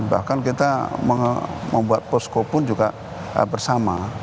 bahkan kita membuat posko pun juga bersama